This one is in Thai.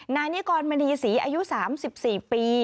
นายนิกรมณีศรีอายุ๓๔ปี